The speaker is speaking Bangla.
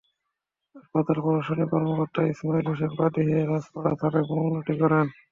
হাসপাতালের প্রশাসনিক কর্মকর্তা ইসমাইল হোসেন বাদী হয়ে রাজপাড়া থানায় মামলাটি করেন।